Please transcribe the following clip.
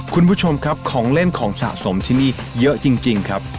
คุณผู้ชมครับของเล่นของสะสมที่นี่เยอะจริงครับ